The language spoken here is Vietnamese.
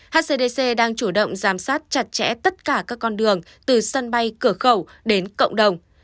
hcdc đang chủ động giám sát chặt chẽ tất cả các con đường từ sân bay cửa khẩu đến cộng đồng